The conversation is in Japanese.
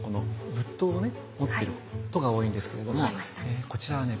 仏塔をね持っていることが多いんですけれどもこちらはね